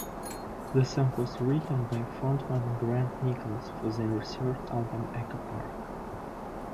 The song was written by frontman Grant Nicholas for their third album "Echo Park".